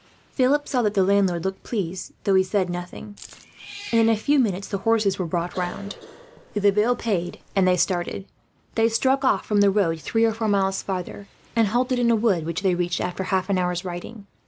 Philip saw that the landlord looked pleased, though he said nothing; and in a few minutes the horses were brought round, the bill paid, and they started. They struck off from the road, three or four miles farther; and halted in a wood which they reached, after half an hour's riding.